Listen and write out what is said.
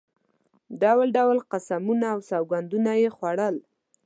ډول ډول قسمونه او سوګندونه یې خوړل.